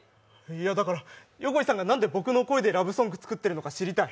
いやだから横井さんが僕の声でラブソング作ってるのか知りたい。